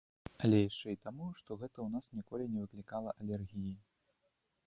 Але яшчэ і таму, што гэта ў нас ніколі не выклікала алергіі.